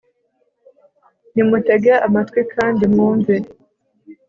nimutege amatwi kandi mwumve